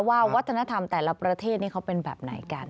วัฒนธรรมแต่ละประเทศนี้เขาเป็นแบบไหนกัน